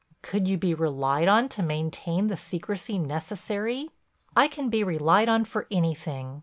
"Could you be relied on to maintain the secrecy necessary?" "I can be relied on for anything.